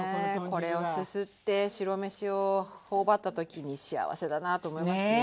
これをすすって白飯を頬張った時に幸せだなと思いますね。